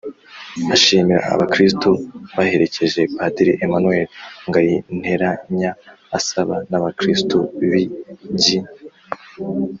ashimira abakristu baherekeje padiri emmanuel ngayinteranya asaba n’abakirisitu b’i g